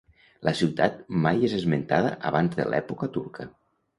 La ciutat mai és esmentada abans de l'època turca.